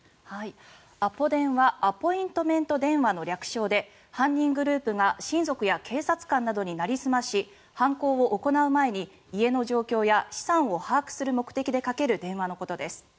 アポ電はアポイントメント電話の略称で犯人グループが親族や警察官などになりすまし犯行を行う前に家の状況や資産を把握する目的でかける電話のことです。